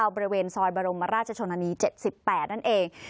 บริเวณซอยบรมราชชนนานี๗๘นั่นเอง